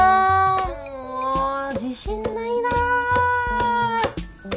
もう自信ないな。